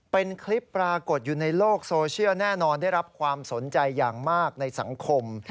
เป็นคลิปปรากฏอยู่ในโลกโซเชียลแน่นอนได้รับความสนใจอย่างมากในสังคม